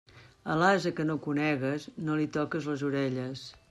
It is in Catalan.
A l'ase que no conegues, no li toques les orelles.